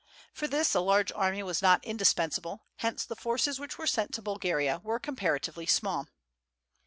For this a large army was not indispensable; hence the forces which were sent to Bulgaria were comparatively small.